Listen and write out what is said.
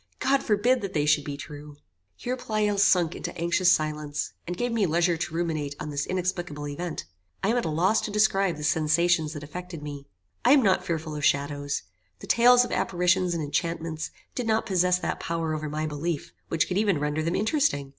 God forbid that they should be true." Here Pleyel sunk into anxious silence, and gave me leisure to ruminate on this inexplicable event. I am at a loss to describe the sensations that affected me. I am not fearful of shadows. The tales of apparitions and enchantments did not possess that power over my belief which could even render them interesting.